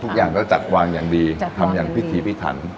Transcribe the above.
ทุกอย่างก็จัดวางอย่างดีทำอย่างพิถีพิถัน